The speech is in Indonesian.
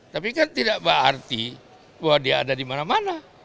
tapi kan tidak berarti bahwa dia ada di mana mana